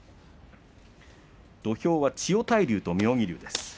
土俵は千代大龍と妙義龍です。